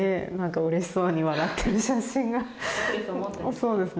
そうですね。